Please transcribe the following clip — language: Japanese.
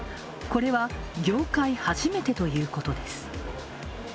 これは、業界初めてということです。